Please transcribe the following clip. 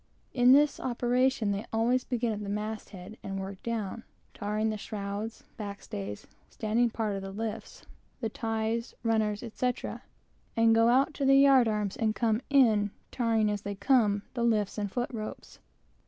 In this operation they always begin at the mast head and work down, tarring the shrouds, back stays, standing parts of the lifts, the ties, runners, etc., and go out to the yard arms, and come in, tarring, as they come, the lifts and foot ropes.